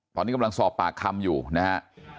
ตอนนี้กำลังสอบปากคำอยู่นะฮะ